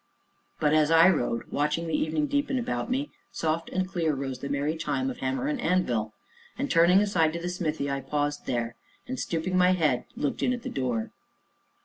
But as I rode, watching the evening deepen about me, soft and clear rose the merry chime of hammer and anvil, and, turning aside to the smithy, I paused there, and, stooping my head, looked in at the door.